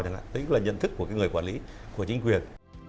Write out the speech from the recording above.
tức là nhận thức của người quản lý của chính quyền